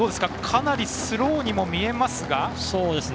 かなりスローにも見えます。